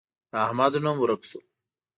د احمد نوم ورک شو.